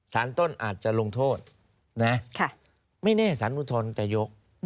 สารต้นอาจจะลงโทษนะไม่แน่สารอุทธรณ์จะยก